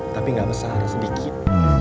tapi gak besar sedikit